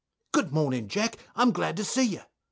_ Good morning, Jack, I'm glad to see you.